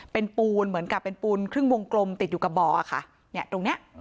เป็นปูนเหมือนกับเป็นปูนครึ่งวงกลมติดอยู่กับบ่อค่ะเนี่ยตรงเนี้ย